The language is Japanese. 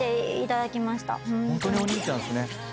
ホントにお兄ちゃんっすね東京の。